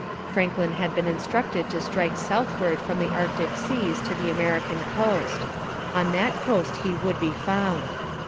Franklin had been instructed to strike southward from the Arctic seas to the American coast. On that coast he would be found.